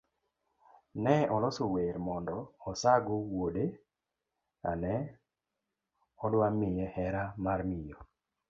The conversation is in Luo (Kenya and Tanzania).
Ne oloso wer mondo osago wuode ane odwa miye hera mar miyo.